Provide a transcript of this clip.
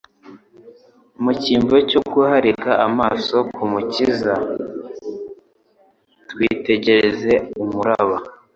Mu cyimbo cyo guhariga amaso ku Mukiza, twitegereza umuraba;